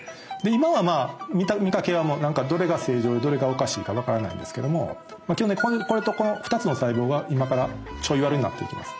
今は見かけはどれが正常でどれがおかしいか分からないんですけどもこれとこの２つの細胞が今からちょいワルになっていきます。